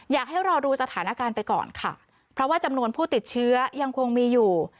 อยากให้รอดูสถานการณ์ไปก่อนค่ะเพราะว่าจำนวนผู้ติดเชื้อยังคงมีอยู่